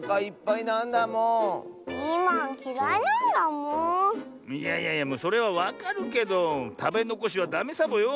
いやいやいやそれはわかるけどたべのこしはダメサボよ。